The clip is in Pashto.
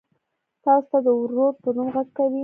تاسو ته د ورور په نوم غږ کوي.